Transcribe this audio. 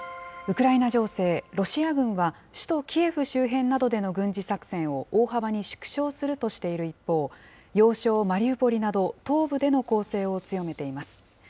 ウクライナ情勢、ロシア軍は首都キエフ周辺などでの軍事作戦を大幅に縮小するとしている一方、要衝マリウポリなど、東部での攻勢を強めています。